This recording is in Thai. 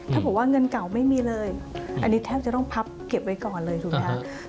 ถ้าบอกว่าเงินเก่าไม่มีเลยอันนี้แทบจะต้องพับเก็บไว้ก่อนเลยถูกไหมคะ